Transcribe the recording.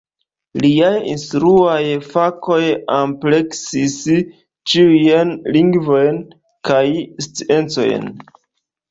Liaj instruaj fakoj ampleksis ĉiujn lingvojn kaj sciencojn.